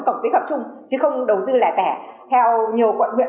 cộng tích hợp chung chứ không đầu tư lẻ tẻ theo nhiều quận huyện